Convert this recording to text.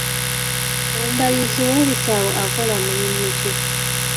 Omubalirizi w'ebitabo akola mulimu ki?